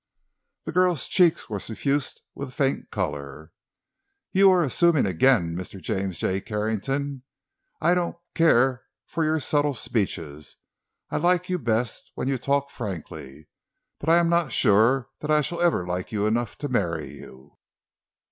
The girl's cheeks were suffused with faint color. "You are assuming again, Mr. James J. Carrington. I don't care for your subtle speeches. I like you best when you talk frankly; but I am not sure that I shall ever like you enough to marry you."